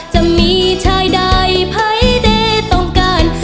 จะมีชายใดภัยเด้ต้องการ